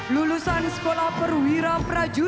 selanjutnya batalion kabupaten kedua